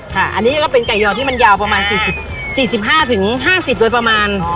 ค่ะอันนี้ก็เป็นไก่ยอที่มันยาวประมาณ๔๕๕๐โดยประมาณ